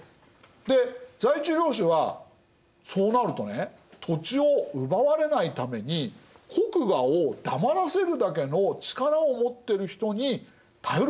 で在地領主はそうなるとね土地を奪われないために国衙を黙らせるだけの力を持ってる人に頼るわけ。